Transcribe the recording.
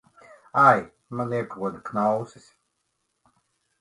Ai, man iekoda knausis!